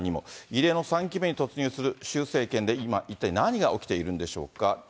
異例の３期目に突入する習政権で今、一体何が起きているんでしょうか。